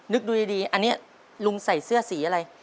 ดูดีอันนี้ลุงใส่เสื้อสีอะไร